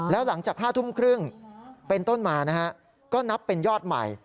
แล้วหลังจาก๕ทุ่มครึ่งเป็นต้นมานะฮะก็นับเป็นยอดใหม่